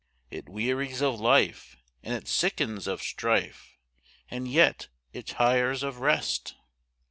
It wearies of life and it sickens of strife And yet it tires of rest.